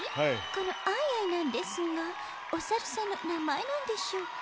この「アイアイ」なんですがおさるさんのなまえなんでしょうか？